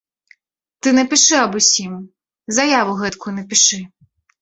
Ты напішы аб усім, заяву гэткую напішы.